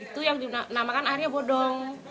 itu yang dinamakan airnya bodong